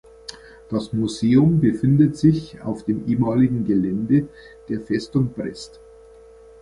Das Museum befindet sich auf dem ehemaligen Gelände der Festung Brest.